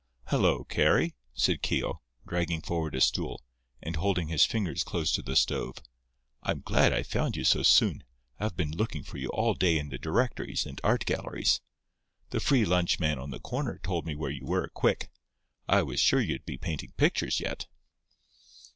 "Hello, Carry," said Keogh, dragging forward a stool, and holding his fingers close to the stove. "I'm glad I found you so soon. I've been looking for you all day in the directories and art galleries. The free lunch man on the corner told me where you were, quick. I was sure you'd be painting pictures yet."